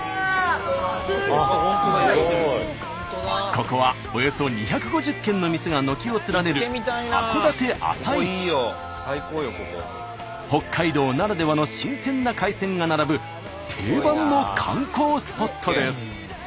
ここはおよそ２５０軒の店が軒を連ねる北海道ならではの新鮮な海鮮が並ぶ定番の観光スポットです。